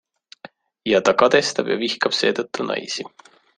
Ja ta kadestab ja vihkab seetõttu naisi.